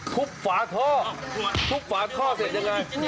ถุบท่อถุบฝาท่อเสียดียังไง